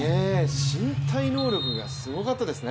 身体能力がすごかったですね。